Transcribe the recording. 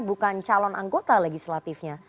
bukan calon anggota legislatifnya